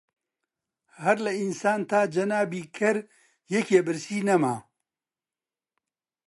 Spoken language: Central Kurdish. هەر لە ئینسان تا جەنابی کەر یەکێ برسی نەما